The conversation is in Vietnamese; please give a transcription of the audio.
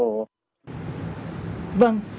chốt dân phòng